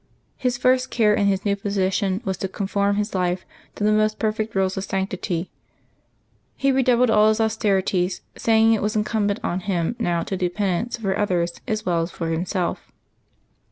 His first care in his new position was to conform his life to the most perfect rules of sanctity. He redoubled all his austerities, saying it was incumbent on him now to do penance for others as well as for himself.